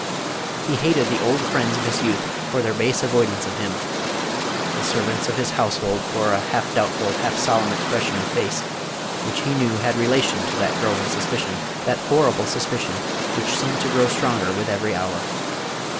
He hated the old friends of his youth for their base avoidance of him; the servants of his household for a half doubtful, half solemn expression of face, which he knew had relation to that growing suspicion, that horrible suspicion, which seemed to grow stronger with every hour.